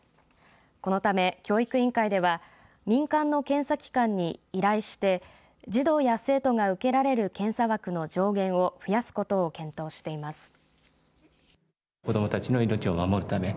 このため、教育委員会では民間の検査機関に依頼して児童や生徒が受けられる検査枠の上限を増やすことを検討しています。